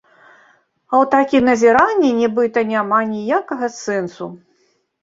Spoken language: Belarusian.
А ў такім назіранні, нібыта, няма ніякага сэнсу.